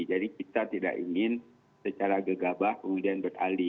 jadi kita tidak ingin secara gegabah kemudian bertali